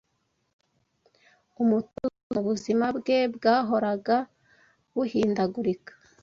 umutuzo mu buzima bwe bwahoraga buhindagurika